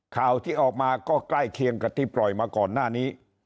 ข่าวที่ออกมาก็ใกล้เคียงกับที่ปล่อยมาก่อนหน้านี้